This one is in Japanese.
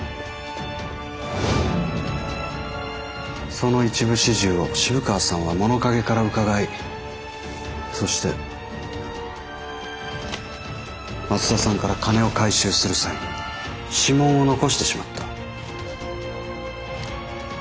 その一部始終を渋川さんは物陰からうかがいそして松田さんから金を回収する際指紋を残してしまった。